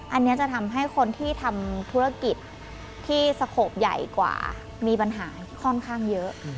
อันนี้จะทำให้คนที่ทำธุรกิจที่สโขปใหญ่กว่ามีปัญหาค่อนข้างเยอะ